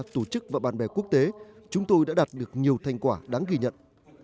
tổ chức và bạn bè quốc tế chúng tôi đã đạt được nhiều thành quả đáng ghi nhận